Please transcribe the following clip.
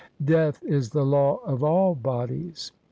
Death is the law of all bodies.